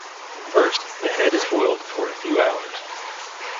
First, the head is boiled for a few hours.